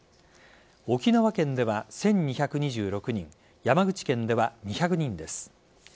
沖縄県では１２２６人山口県では２００人です。